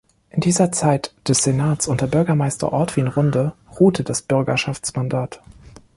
In dieser Zeit des Senats unter Bürgermeister Ortwin Runde ruhte das Bürgerschaftsmandat.